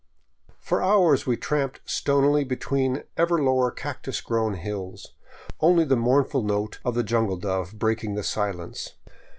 For hours we tramped stonily between ever lower cactus grown hills, only the mournful note of the jungle dove breaking the silence.